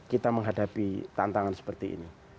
kita menghadapi tantangan seperti ini